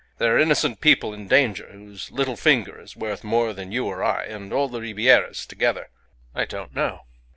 "There are innocent people in danger whose little finger is worth more than you or I and all the Ribierists together. I don't know.